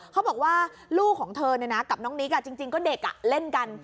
เขาบอกว่าลูกของเธอกับน้องนิกจริงก็เด็กเล่นกัน